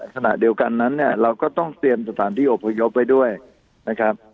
ขณะเดียวกันนั้นเนี่ยเราก็ต้องเตรียมสถานที่อบพยพไว้ด้วยนะครับ